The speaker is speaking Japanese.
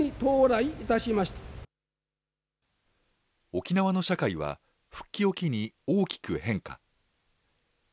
沖縄の社会は、復帰を機に大きく変化。